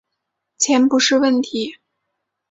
钱不是问题